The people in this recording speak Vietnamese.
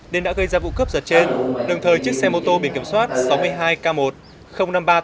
nên đã gây ra vụ cướp giật trên đồng thời chiếc xe mô tô bị kiểm soát sáu mươi hai k một năm nghìn ba trăm tám mươi tám